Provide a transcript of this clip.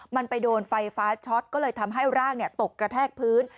มันไปโดนไฟฟ้าช็อตก็เลยทำให้ร่างตกกระแทกพื้น